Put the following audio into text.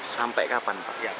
sampai kapan pak